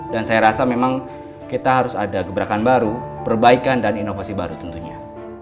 dan saya rasa memang kita harus ada gebrakan baru perbaikan dan inovasi baru tentunya